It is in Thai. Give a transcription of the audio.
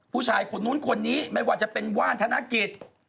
ผู้ชายคนนู้นคนนี้ไม่ว่าจะเป็นว่านธนกิจ